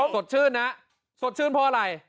สดชื่นเพราะอะไร